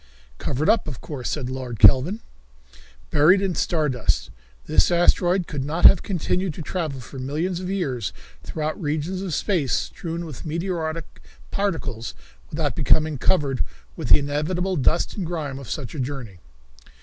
"Covered up, of course," said Lord Kelvin. "Buried in star dust. This asteroid could not have continued to travel for millions of years through regions of space strewn with meteoric particles without becoming covered with the inevitable dust and grime of such a journey.